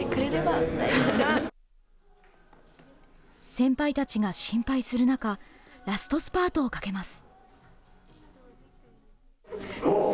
先輩たちが心配する中、ラストスパートをかけます。